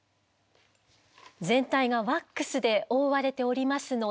全体がワックスで覆われておりますので。